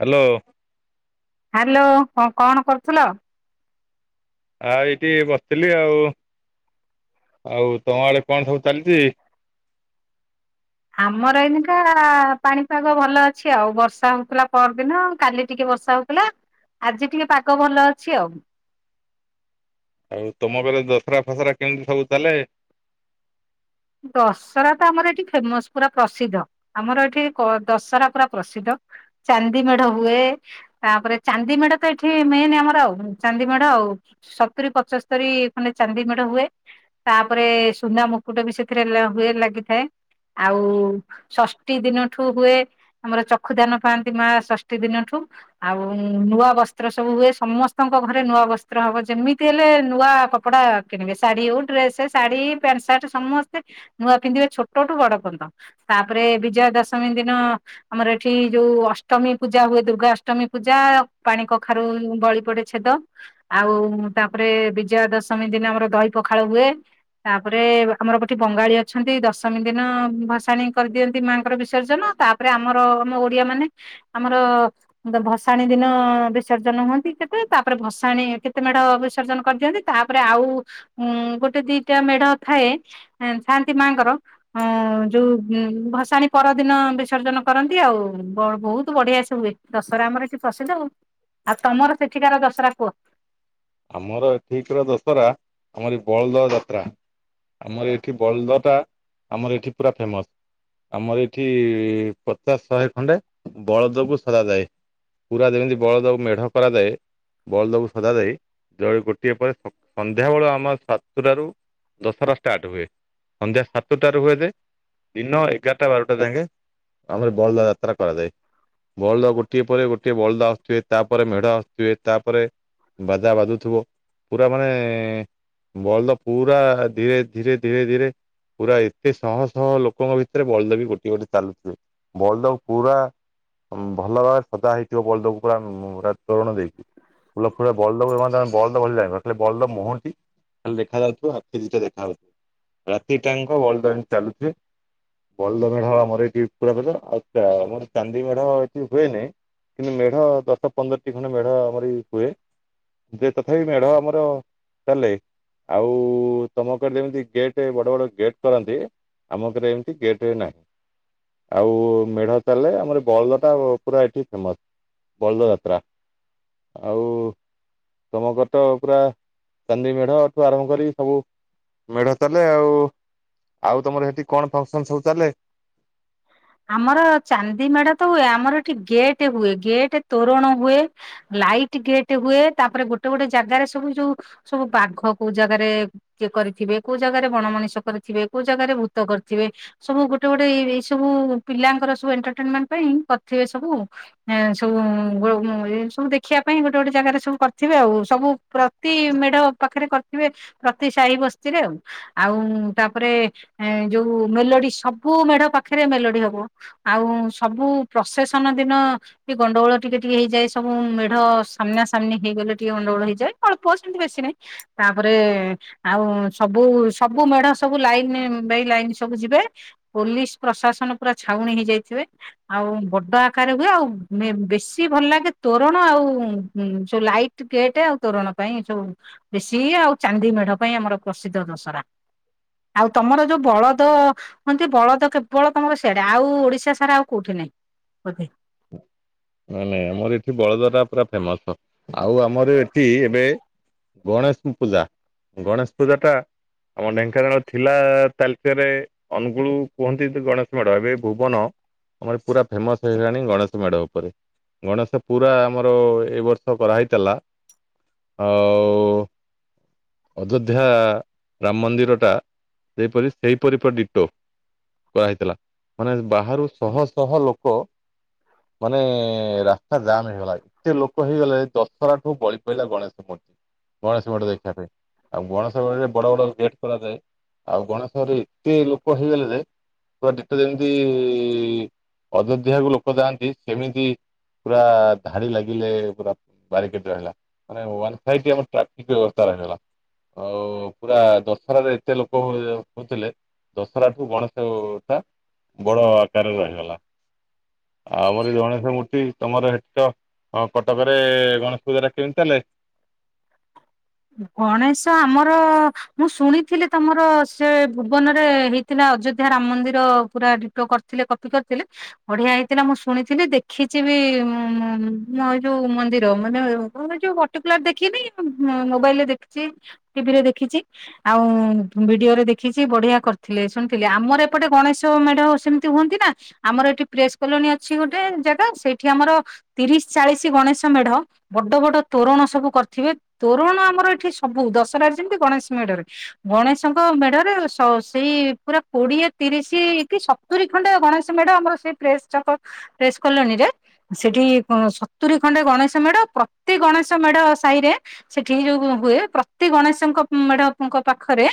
Hello hello କଁ କଣ କରୁଥିଲ? ଆ ଏଇଠି ବସିଥିଲି ଆଉ। ଆଉ ତମ ଆଡ଼େ କଣ ସବୁ ଚାଲିଚି? ଆମର ଏଇନିକା ପାଣିପାଗ ଭଲ ଅଛି ଆଉ। ବର୍ଷା ହଉଥିଲା ପରଦିନ କାଲି ଟିକେ ବର୍ଷା ହଉଥିଲା ଆଜି ଟିକେ ପାଗ ଭଲ ଅଛି ଆଉ। ଆଉ ତମ ଘରେ ଦଶରା ଫସରା କେମିତି ସବୁ ଚାଲେ? ଦଶହରା ତ ଆମର ଏଠି ଫେମସ ପୁରା ପ୍ରସିଦ୍ଧ। ଆମର ଏଠି ଦଶହରା ପୁରା ପ୍ରସିଦ୍ଧ। ଚାନ୍ଦି ମେଢ ହୁଏ। ତାପରେ ଚାନ୍ଦି ମେଢ ତ ଏଠି ମେନ୍ ଆମର ଆଉ ଚାନ୍ଦି ମେଢ ଆ ଆଉ ସତୁରି ପଚସ୍ତରୀ ଖଣ୍ଡେ ଚାନ୍ଦି ମେଢ ହୁଏ। ତାପରେ ସୁନା ମୁକୁଟ ବି ସେ ଥିରେ ହୁଏ ଲାଗିଥାଏ। ଆଉ ଷଷ୍ଠୀ ଦିନଠୁ ହୁଏ ଆମର ଚକ୍ଷୁ ଦାନ ପାଆନ୍ତି ମା ଷଷ୍ଠୀ ଦିନଠୁ। ଆଉ ନୂଆ ବସ୍ତ୍ର ସବୁ ହୁଏ। ସମସ୍ତଙ୍କ ଘରେ ନୂଆ ବସ୍ତ୍ର ହବ। ଯେମିତି ହେଲେ ନୂଆ ଆ କପଡା କିଣିବେ। ଶାଢୀ ହଉ ଡ୍ରେସ, ଶାଢୀ, ପ୍ୟାଣ୍ଟ, ସାର୍ଟ, ସମସ୍ ସ୍ତେ ନୂଆ ପିନ୍ଧିବେ। ଛୋଟଠୁ ବଡ ପଞ୍ଚ। ତାପରେ ବିଜୟା ଦଶମୀ ଦିନ ଆମର ଏଠି ଯୋଉ ଅଷ୍ଟମୀ ପୂଜା ହୁଏ। ଦୁର୍ଗା ଅଷ୍ଟମୀ ପୂଜା ପାଣି କଖାରୁ ବଳି ପଡେ ଛେଦ। ଆଉ ତାପରେ ବିଜୟା ଦଶମୀ ଦିନେ ଆମର ଦହି ପଖାଳ ହୁଏ। ତାପରେ ଆମର ଏଠି ବଙ୍ଗାଳୀ ଅଛନ୍ତି। ଦଶମୀ ଦିନ ଭସାଣି କରିଦିଅନ୍ତି। ମାଙ୍କର ବିସର୍ଜନ ତାପରେ ଆମର ଆମ ଓଡିଆ ମାନେ ଆମର ଭସାଣି ଦିନ ବିସର୍ଜନ ହୁଅନ୍ତି କେତେ। ତାପରେ ଭସାଣି ଭି କେତେ ମେଢ ବିସର୍ଜନ କରିଦିଅନ୍ତି। ତାପରେ ଆଉ ଗୋଟେ ଦିଟା ମେଢ ଥାଏ। ଥାନ୍ତି ମାଙ୍କର ଅଁ ଯୋଉ ଉଁ ଭସାଣି ପରଦିନ ବିସର୍ଜନ କରନ୍ତି ଆଉ। ବ ବହୁତ ବଢିଆ ସେ ହୁଏ। ଦଶହରା ଆମର ଏଠି ପ୍ରସିଦ୍ଧ ଆଉ ଆଉ ତମର ସେଠିକାର ଦଶରା କୁଅ? ଆମର ଏଠିକାର ଦଶହରା ଆମର ଏ ବଳଦ ଯାତ୍ରା। ଆମର ଏଠି ବଳଦ ଟା ଆମର ଏଠି ପୁରା ଫେମସ୍। ଆମର ଏଇଠି ଇ ପଚାଶ ଶହେ ଖଣ୍ଡେ ବଳଦକୁ ସଜାଯାଏ। ପୁରା ଯେମିତି ବଳଦେବ ମେଢ କରାଯାଏ ବଳଦକୁ ସଜା ଯାଇ ଜଣେ ଗୋଟିଏ ପରେ ସନ୍ଧ୍ୟାବେଳ ଆମ ସାତଟାରୁ ଦଶରା ଷ୍ଟାର୍ଟ ହୁଏ। ସନ୍ଧ୍ୟା ସାତଟାରୁ ହୁଏ ଯେ ଦିନ ଏଗାରଟା ବାରଟା ଯାକେ ଆମର ବଳଦ ଯାତ୍ରା କରାଯାଏ । ବଳଦ ଗୋଟିଏ ପରେ ଗୋଟିଏ ବଳଦ ଆସୁଥିବେ ତାପରେ ମେଢ ଆସୁଥିବେ, ତାପରେ ବାଯା ବାଜୁ ପୁରା ମାନେ ବଲଦ ପୁରା ଧୀରେ ଧୀରେ ଧୀରେ ଧୀରେ ପୁରା ଏତେ ଶହ ଶହ ଲୋକଙ୍କ ଭିତରେ ବଳଦ ବୀ ଗୋଟିଏ ଗୋଟେ ଚାଲୁ ଥିଵେ ବଲଦ କୁ ପୁରା ଭଲ ଭାରେ ସଜା ହେଇଥିବ ବଲଦ କୁ ପୁରା ପୁରା ତରଣ ଦେଇଛି [unintelligible] ଫୁଲ ଫୁ ବଳଦ [unintelligible] ଖା [unintelligible] ବଲଦ ମୁଁହଟି ଖାଲି ଦେଖା ଯାଉଥିବ ଆଖି ଦିଟା ଦେଖା ଯାଉଥିବ ରାତି ଟାଙ୍କ ବଲଦ ଏମିତି ଚାଲୁଥିବେ ବଲଦ ମେଢା ଆମର ଏଠି ପୁରପତ ଆଛା ଆମର ଚାନ୍ଦି ମେଢା ଏଠି ହୁଏନି କିନ୍ତୁ ମେଢ ଦଶ ପନ୍ଦରଟି ଖଣ୍ଡ ମେଢ ଆମରଇ ହୁଏ। ଯେ ତଥାପି ମେଢ ଆମର ଚାଲେ ଆଉ ତମ କ ଯେମିତି ଗେଟ୍ ବଡ ବଡ ଗେଟ୍ କରନ୍ତି। ଆମ ଘରେ ଏମିତି ଗେଟ୍ ନାହିଁ। ଆଉ ମେଢ ଚାଲିଲେ ଆମର ବଳଦ ଟା ପୁରା ଏଠି ଫେମସ୍ । ବଳଦ ଯାତ୍ରା ଆଉ ତମକଟ ପୁରା ଚାନ୍ଦି ମେଢଠୁ ଆରମ୍ଭ କରି ସବୁ ମେଢ ଚାଲେ ଆଉ ଆଉ ତମର ସେଠି କଣ ଫଙ୍କସନ ସବୁ ଚାଲେ ଆମର ଚାନ୍ଦି ମେଢା ତ ହୁଏ, ଆମର ଏଠି ଗେଟ୍ ହୁଏ ଗେଟ୍ ତୋରଣ ହୁଏ । ଲାଇଟ୍ ଗେଟ୍ ହୁଏ, ତାପରେ ଗୋଟେ ଗୋଟେ ଜାଗାରେ ସବୁ ଯୋଉ ସବୁ ବାଘ କୋଉ ଜାଗାରେ କରିଥିବେ କୋଉ ଜାଗାରେ ବଣ ମଣିଷ କରିଥିବେ କୋଉ ଜାଗାରେ ଭୂତ କରିଥିବେ ସବୁ ଗୋଟେ ଗୋଟେ ଏଇ ସବୁ ପିଲାଙ୍କର ସବୁ ଏଣ୍ଟରଟେନମେଣ୍ଟ ପାଇଁ କରିଥିବେ ସବୁ ଏ ସବୁ ସବୁ ଦେଖିବା ପାଇଁ ଗୋଟେ ଗୋଟେ ଜାଗାରେ ସବୁ କରିଥିବେ ଆଉ ସବୁ ପ୍ରତି ମେଢ ପାଖରେ କରିଥିବେ ପ୍ରତି ସାହି ବସ୍ତିରେ ଆଉ ଆଉ ତାପରେ ଯୋଉ ମେଲୋଡି ସବୁ ମେଢ ପାଖ ପାଖରେ ମେଲୋଡି ହବ ଆଉ ସବୁ ପ୍ରସେସନ ଦିନ ଟ ଗଣ୍ଡଗୋଳ ଟିକେ ଟିକେ ହେଇଯାଏ ସବୁ ମୁ ମେଢ ସାମ୍ନା ସାମ୍ନି ହେଇଗଲେ ଟିକେ ଅଣ୍ଡଗୋଳ ହେଇଯାଏ ଅଳ୍ପ ସେମିତି ବେଶୀ ନାହିଁ ତାପରେ ଆଉ ସବୁ ସବୁ ମେଢ ସବୁ ଲାଇନ ବାଇ ଲାଇନ୍ ସବୁ ଯିବେ ପୋଲିସ ପ୍ରଶାସନ ପୁରା ଛାଉଣୀ ହେଇଯାଇଥିବେ ଆଉ ବଡ ଆକାରରେ ହୁଏ ଆଉ ବେଶୀ ଭଲ ଲାଗେ ତୋରଣ ଆଉ ସ ଲାଇଟ ଗେଟ୍ ଆଉ ତୋରଣ ପାଇଁ ସବୁ ବେଶି ଆଉ ଚାନ୍ଦି ମ ମେଢ ପାଇଁ ଆମର ପ୍ରସିଦ୍ଧ ଦଶରା ଆଉ ତମର ଯୋଉ ବଳଦ ହୁନ୍ତି ବଳଦ କେ ପପଳ ତମର ସିଆଡେ ଆଉ ଓଡିଶା ସାରା ଆଉ କୋଉଠି ନାଇଁ ବୋଧେ ନାଇ ନାଇଁ ଆମର ଏଠି ବଳଦରାା ପୁରା ଫେମସ ଆଉ ଆମର ଏଠି ଏବେ ଗଣେଶ ପୂଜା ଗଣେଶ ପୂଜା ଟା ଆମ ଢେଙ୍କାନାଳ ଥିଲା ତାଲିସଆରେ ଅନୁଗୁଳୁ କୁହନ୍ତି ଗଣେଶ ମେଢ ଏବେ ଭୁବନ ଆମର ପୁରା ଫେମସ ହେଇଗଲାଣି ଗଣେଶ ମେଢ ଉପରେ। ଗଣେଶ ପୁରା ଆମର ଏଇ ବର୍ଷ କରାହେଇଥିଲା ହଉ। ଅଯୋଧ୍ୟା ରାମ ମନ୍ଦିର ଟା ସେହିପରି ସେହିପରି ପ ଡିଟୋ କରାହେଇଥିଲା ମାନେ ବାହାରୁ ଶହ ଶହ ଲୋକ ମାନେ ରାସ୍ତା ଜାମ୍ ହେଇଗଲା ଏତେ ଲୋକ ହେଇଗଲେ ଦଶହରା ଠୁ ବଳି ପଡିଲା ଗଣେଶ ମୂର୍ତ୍ତି। ଗଣେଶ ମେଢ ଦେଖିବା ପାଇଁ ଆଉ ଗଣେଶ ମେଢରେ ବଡ ବଡ ଗେଟ୍ କରାଯାଏ। ଆଉ ଗଣେଶରେ ଏତେ ଲୋକ ହେଇଗଲେ ଯେ ଟ ଯେମିତି ଅଯୋଧ୍ୟାକୁ ଲୋକ ଯାଆନ୍ତି ସେମିତି ପୁରା ଧାଡି ଲାଗିଲେ ପୁରା ବାରିକେଟ ରହିଲା। ଆ ୱନ୍ ଫାଇ ଆମର ଟ୍ରାଫିକ ବ୍ୟବସ୍ଥାା [unintelligible] ହଲା। ଆଉ ପୁରା ଦଶହରାରେ ଏତେ ଲୋକ ହଉଥିଲେ ଦଶରା ଠୁ ଗଣେଶ ଟା ବଡ ଆକାରରେ ରହିଗଲା। ଆଉ ଆମରଇ ଗଣେଶ ମୂର୍ତ୍ତି ତମର ହେଠ ହଁ କଟକରେ ଗଣେଶ ପୂଜା ଟା କେମିତି ଚାଲେ? [inaudible] ଗଣେଶ ଆମର ମୁଁ ଶୁଣିଥିଲି ତମର ସେ ଭୁବନରେ ହେଇଥିଲା? ଅଯୋଧ୍ୟା ରାମ ମନ୍ଦିର ପୁରା ଡିଟୋ କରି ଥିଲେ କପି କରିଥିଲେ ବଢିଆ ହେଇଥିଲା ମୁଁ ଶୁଣିଥିଲି ଦେଖିଛି ଏ ଯୋଉ ମନ୍ଦିର ମାନେ ଯ ମୂଁ ପଟିକୁଲାର ଦେଖିନି ମୋବାଇଲରେ ଦେଖିଛି ଟିଭିରେ ଦେଖିଛି ଆଉ ଭିଡିଓ ରେ ଦେଖିଛି ବଢିଆ କରିଥିଲେ ଶୁଣିଥିଲେ। ଆମର ଏପଟେ ଗଣେଶ ମେଢ ସେମିତି ହୁଅନ୍ତି ନା ଆମର ଏଠି ପ୍ରେସ କଲୋନୀ ଅଛି ଗୋଟେ ଜାଗା ସେଠ ଏଠି ଆମର ତିରିଶ ଚାଳିଶ ଗଣେଶ ମେଢ ବଡ ବଡ ତୋରଣ ସବୁ କରିଥିବେ ତୋରଣ ଆମର ଏଠି ସବୁ ଦଶହାରେ ଯେମିତି ଗଣେଶ ମେଢରେ ଗଣେଶଙ୍କ ମେଢରେ ସେଇ ପୁରା କୋଡ଼ିଏ ତିରିଶଇ ସତୁରି ଖଣ୍ଡେ ଗଣେଶ ମେଡ଼ ଆମର ସେ ପ୍ରେସ ଛକ ପ୍ରେସ କଲୋନୀରେ। ସେଠି ସତୁରି ଖଣ୍ଡେ ଗଣେଶ ମେଢ ପ୍ରତି ଗଣେଶ ମେଢ ସାହି ରେ ସେଠି ଯୋଉ ହୁଏ ପ୍ରତି ଗଣେଶଙ୍କ ମେଢଙ୍କ ପାଖରେ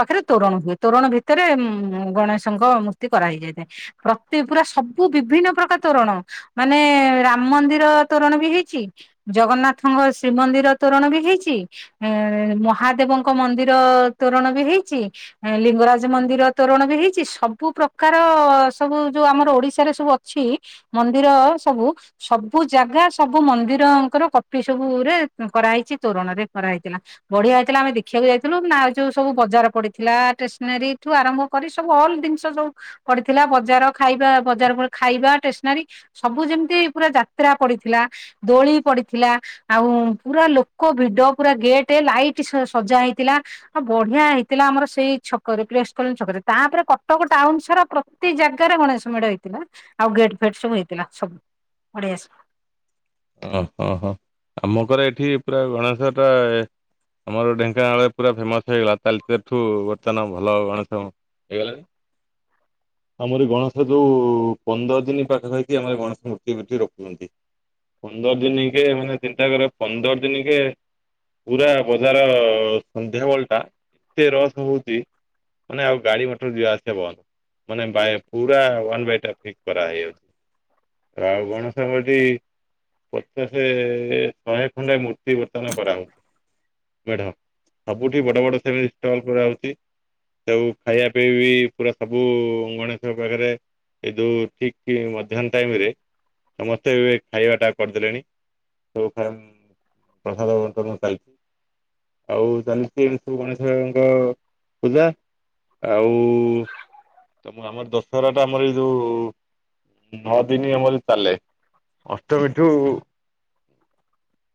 ପାଖରେ ତୋରଣ ହୁଏ ତୋରଣ ଭିତରେ ଗଣେଶଙ୍କ ମୂର୍ତ୍ତି କରାହେଇଯାଇଥାଏ ପ୍ରତି ପୁରା ସବୁ ବିଭିନ୍ନ ପ୍ରକାର ତୋରଣ ମାନେ ରାମ ମନ୍ଦିର ତୋରଣ ବି ହେଇଛି ଜଗନ୍ନାଥଙ୍କ ଶ୍ରୀମନ୍ଦିର ତୋରଣ ବି ହେଇଛି ମହାଦେବଙ୍କ ମନ୍ଦିର ତୋରଣ ବି ହେଇଛି ଲିଙ୍ଗରାଜ ମନ୍ଦିର ତୋରଣ ବି ହେଇଛି ସବୁ ପ୍ରକାର ସବୁ ଯୋଉ ଆମର ଓଡିଶାରେ ସବୁ ଅଛି ମନ୍ଦିର ସବୁ ସବୁ ଜାଗା ସବୁ ମନ୍ଦିରଙ୍କର କପି ସବୁରେ କରାହେଇଛି। ତୋରଣରେ କରା ହେଇଥିଲା ବଢିଆ ହେଇଥିଲା ଆମେ ଦେଖିବାକୁ ଯାଇଥିଲୁ ନା ଯୋଉ ସବୁ ବଜାର ପଡିଥିଲା ଷ୍ଟେସନାରୀ ଠୁ ଆରମ୍ଭ କରି ସବୁ ଅଲ ଜିନିଷ ସୋ କରିଥିଲା ବଜାର ଖାଇବା ବଜାର ଖାଇବା ଷ୍ଟେସନାରୀ ସବୁ ଯେମିତି ପୁରା ଯାତ୍ରା ପଡିଥିଲା। ଦୋଳି ପଡିଥିଲା ଆଉ ପୁରା ଲୋ ପୋକ ଭିଡ ପୁରା ଗେଟ ଲାଇଟ୍ ସଜା ହେଇଥିଲା ଆଉ ବଢିଆ ହେଇଥିଲା ଆମର ସେଇ ଛକରେ। ପ୍ରେସ କଲୋନୀ ଛକରେ ତାପରେ କଟକ ଟାଉନ ସାରା ପ୍ରତି ଜାଗାରେ ଗଣେଶ ମେଢ ହେଇଥିଲା ଆଉ ଗେଟ ଫେଟ ସବୁ ହେଥିଲା ସବୁ ବଢିଆ ଓହୋ ହୋ ଆମ ଘର ଏଠି ପୁରା ଗଣେଶ ଟା ଆମର ଢେଙ୍କାନାଳରେ ପୁରା ଫେମସ ହେଇଗଲା ତାଳଚେରଠୁ ବର୍ତ୍ତମାନ ଭଲ ଗଣେଶ ହେଇଗଲାଣି [unintelligible] ଆମର ଗଣେଶ ଯୋଉ ପନ୍ଦର ଦିନ ପାଖାପାଖି ହାଏ ଗଣେଶ ମୂର୍ତ୍ତିଏଠି ରଖୁଛନ୍ତି। ପନ୍ଦର ଦିନ କେ ମାନେ ଚିନ୍ତା କରିବା ପନ୍ଦର ଦିନ କେ ପୁରା ବଜାର ସନ୍ଧ୍ୟା ବଳଟା ଏତେ ରସ ହଉଚି ମାନେ ଆଉ ଗାଡି ମୋଟର ଯିବା ଆସିବା ବନ୍ଦ୍। ମାନେ ପୁରା ୱାନ ବାଇ ଟ୍ରାଫିକ କରା ହେଇଯାଉଛି। ରାଉ ଗଣେଷ ମୁଦି ପଚାଶ ଶହେ ଖଣ୍ଡେ ମୂର୍ତ୍ତି ବର୍ତ୍ତମାନ କରାହଉଛି। ବଢିଆ ସବୁଠି ବଡ ବଡ ସେମି ଷ୍ଟଲ କରାହେଉଛି। ସବୁ ଖାଇବା ପିଇବି ପୁରା ସବୁ ଗଣେଶଙ୍କ ପାଖରେ ଏ ଯଉ ଠିକ କି ମାଧ୍ୟାର୍ହ୍ନ ଟାଇମ ରେ ସମସ୍ତେ ଏ ଖାଇବାଟା କରିଦେଲେଣି ସବୁାଇ ପ୍ରସାଦ ବଣ୍ଟନ ଚାଲିଛି। ଆଉ ଜଲି ସବୁ ଗଣେଶବଙ୍କ ପୂଜା, ଆଉ ତମ ଆମର ଦଶହରା ଟା ଆମର ଏଇ ଯୋଉ ନଅ ଦିନ ଆମର ଚାଲେ ଅଷ୍ଟମୀ ଠୁ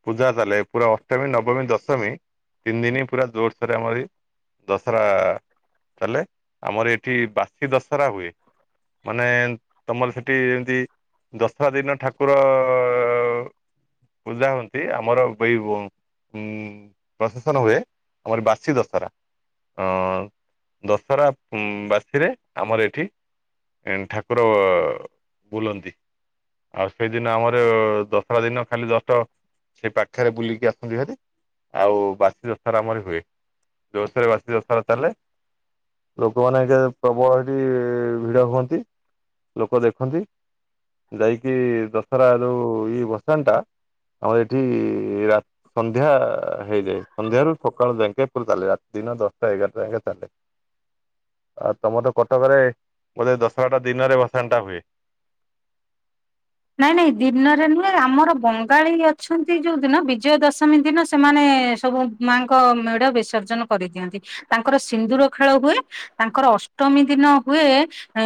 ପୂଜା ଚାଲେ ପୁରା ଅଷ୍ଟମୀ ନବମୀ ଦଶମୀ ତିନି ଦିନ ପୁରା ଜୋରସୋରରେ ଆମରି ଦଶହରା ଚାଲେ ଆମର ଏଠି ବାସି ଦଶହରା ହୁଏ। ମାନେ ତମର ସେଠି ଏମିତି ଦଶରା ଦିନ ଠାକୁର ଅ ଅ ପୂଜା ହୁଅନ୍ତି ଆମର ବଇ ଉଁ ପ୍ରଶେସନ ହୁଏ ଆମର ବାସି ଦଶରା। ଅ ଦଶହରା ବାସିରେ, ଆମର ଏଠି ଠାକୁର ବୁଲନ୍ତି। ଆଉ ସେଇଦିନ ଆମର ଦଶରା ଦିନ ଖାଲି ଜଷ୍ଟ ସେ ପାଖରେ ବୁଲିକି ଆସନ୍ତି ଭାରି। ଆଉ ବାସି ଦଶରା ଆମରି ହୁଏ। ଜୋରସୋରେ ବାସି ଦଶରା ଚାଲେ ଲୋକମାନେ [unintelligible] ସେଠି ଭିଡ ହୁଅନ୍ତି। ଲୋକ ଦେଖନ୍ତି। ଯାଇକି ଦଶରାରୁ ଇ ବସଣ୍ଟା ଆମର ଏଠି ରା ସନ୍ଧ୍ୟା ହେଇଯାଏ। ସନ୍ଧ୍ୟାରୁୁ ସକାଳୁ ଯାଙ୍କେ ଏପଟେ ଚାଲେ। ରାତି ଦିନ ଦଶଟା ଏଗାରଟା ଯାଙ୍କେ ଚାଲେ। ଅ ତୋମର କଟକରେ ବୋଧେ ଦଶରଟା ଦିନରେ ଭସାଣି ଟା ହୁଏ। ନାଇଁ ନାଇଁ ଦିନରେ ନୁହେଁ ଆମର ବଙ୍ଗାଳୀ ଅଛନ୍ତି ଯୋଉ ଦିନ ବିଜୟା ଦଶମୀ ଦିନ ସେମାନେ ଏ ସବୁ ମାଙ୍କ ମେଢ ବିସର୍ଜନ କରି ଦିଅନ୍ତି। ତାଙ୍କର ସିନ୍ଦୁର ଖେଳ ହୁଏ। ତାଙ୍କର ଅଷ୍ଟମୀ ଦିନ ହୁଏ ଏ,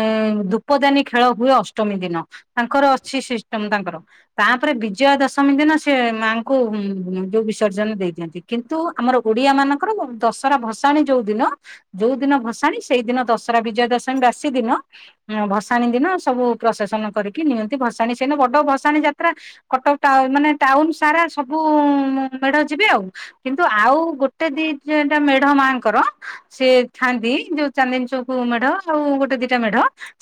ଧୂପଦାନୀ ଖେଳ ହୁଏ ଅଷ୍ଟମୀ ଦିନ। ତାଙ୍କର ଛି ସିଷ୍ଟମ ତାଙ୍କର। ତାପରେ ବିଜୟା ଦଶମୀ ଦିନ ସେ ମାଙ୍କୁ ଉଁ, ଯୋଉ ବିସର୍ଜନ ଦେ ଦେଇ ଦିଅନ୍ତି। କିନ୍ତୁ ଆମର ଓଡିଆ ମାନଙ୍କର ଦଶରା ଭସାଣି ଯୋଉ ଦିନ ଯୋଉ ଦିନ ଭସାଣି ସେଇ ଦିନ ଦଶହରା ବିଜୟା ଦଶମୀ ବାସି ଦିନ ଅଁ, ଭସାଣି ଦିନ ସବୁ ପ୍ରସେସନ୍ କରିକି ନିଅ ଭସାଣୀ ସେନ ବଡ ଭସାଣୀ ଯାତ୍ରା। କଟକ ଟାଉ ମାନେ ଟାଉନ ସାରା ସବୁ ଉଁ ମେଢ଼ ଯିବେ। ଆଉ କିନ୍ତୁ ଆଉ ଗୋଟେ ଦି ଯେଟା ମେଢ ମାଙ୍କର ସିଏ ଥାନ୍ତି ଯୋଉ ଚାନ୍ଦିନୀ ଚକୌ ମେଢ ଆଉ ଗୋଟେ ଦିଟା ମେଢ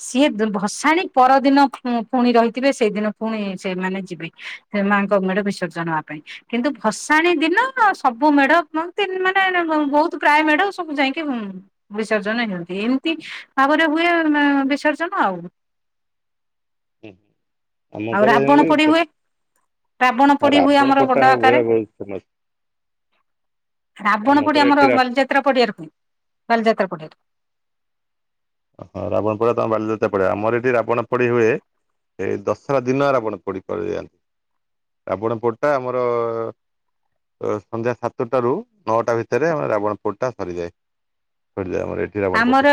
ସିଏ ଭସାଣୀ ପରଦିନ ଉଁ, ପୁଣି ରହିଥିବେ ସେଇଦିନ ପୁଣି ସେଇମାନେ ଯିବେ ସେ ମାଆଙ୍କ ମେଢ ବିସର୍ଜନ ହେବା ପାଇଁ। କିନ୍ତୁ ଭସ ଣୀ ଦିନ ସବୁ ମେଢ କୁହନ୍ତିନି ମାନେ ଏଇନେ ବହୁତ ପ୍ରାୟ ମେଢ ସବୁ ଯାଇକି ଉଁ, ବିସ ସର୍ଜନ ହେନ୍ତି। ଏମିତି ଆଗରେ ହୁଏ ଏ, ବିସର୍ଜନ ଆଉ। ଆମ ଆଉ କରେ ରାବଣ ପୋଡି ଏମିତି ହୁଏ। ରାବଣ ପୋଡି ହୁଏ ରାବଣ ଆମର ପୋଡିଟା ଡଡ ଆକାରେ। ପୁରା ବହୁତ ଫେମସ ଆମ ରାବଣ ପୋଡି କରେ ଏଠି ଆମର ରା ବାଲିଯାତ୍ରା ପଡିଆରେ ହୁଏ। ବାଲିଯାତ୍ରା ପଡିଆାରେ। ଯେ ରାବଣ ପୋଡି ହୁଏ ଏଇ ଦଶରା ଦିନ ରାବଣ ପୋଡି କରିଦିଅନ ଆପଣ ପଟା ଆମର ଅ, ସନ୍ଧ୍ୟା ସାତଟ ରୁ ନଅଟା ଭିତରେ ଆମ ରାବଣ ପୋଡି ଟା ସରିଯାଏ। [unintelligible] ରାବଣ ପୋଡି ଆମର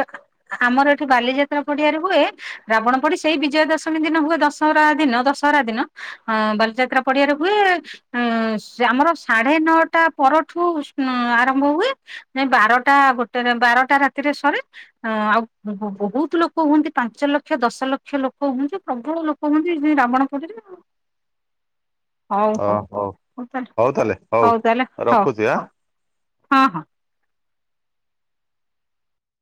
ଆମର ଏଠି ବାଲିଯାତ୍ରା ପଡିଆରେ ହୁଏ। ରାବଣ ପୋଡି ସେଇ ବିଜୟା ଦଶମୀ ଦିନ ହୁଏ । ଦଶହରା ଦିନ, ଦଶହରା ଦିନ। ହଁ ବାଲିଯାତ୍ରା ପଡିଆରେ ହୁଏ। ଅ, ଆମର ସାଢେ ନଅଟା ପରଠୁ ହଁ ଆରମ୍ଭ ହୁଏ। ଯାଇ ବାରଟା ଗୋଟେରେ ବାରଟା ରା ତିରେ ସରେ। ଅଁ, ଆଉ ବ, ବ, ବହୁତ ଲୋକ ହୁଅନ୍ତି ପାଞ୍ଚ ଲକ୍ଷ ଦଶ ଲକ୍ଷ ଲୋକ ହୁଅନ୍ତି। ପ୍ରଭୁ ତ ଲୋକ ହୁଅନ୍ତି ସେଇ ରାବଣ ପୋଡିରେ ଆଉ। ହଉ ହଉ ହଉ ତାଲେ ହଉ ତାହଲେ ହଉ ରଖୁଛି ଆଁ। ହଉ। ହଁ, ହଁ।